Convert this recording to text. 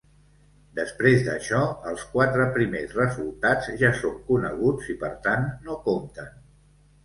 Després d'això, els quatre primers resultats ja són coneguts i per tant no compten.